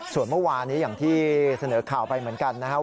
ส่วนเมื่อวานนี้อย่างที่เสนอข่าวไปเหมือนกันนะครับ